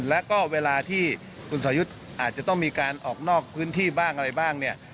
แล้วก็เวลาที่คุณสอยุทธ์อาจจะต้องมีการออกนอกพื้นที่บ้างอะไรบ้างเนี่ย